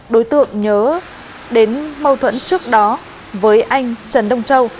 đối tượng nhớ đến mâu thuẫn trước đó với anh trần đông châu